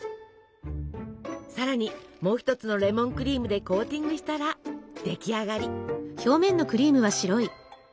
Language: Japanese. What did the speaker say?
さらにもう一つのレモンクリームでコーティングしたら出来上がり！